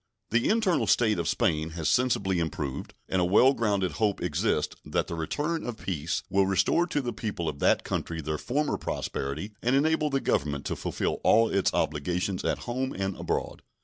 The internal state of Spain has sensibly improved, and a well grounded hope exists that the return of peace will restore to the people of that country their former prosperity and enable the Government to fulfill all its obligations at home and abroad.